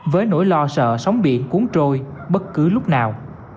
với nỗi lo sợ sóng biển cuốn trôi bất cứ lúc nào